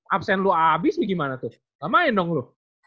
absen lu abis gimana tuh gak main dong lu